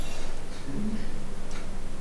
Senin işin.